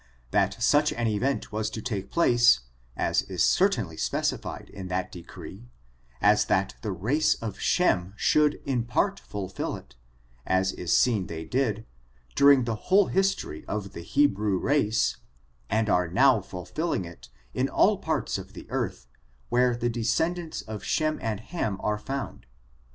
That such an event was to take place, is as certainly specified in that decree, as that the race of Shem should in part fulfill it, as is seen they did, during the whole history of the He* brew race, and are now fulfilling it, in all parts of the earth, where the descendants of Shem and Ham are found.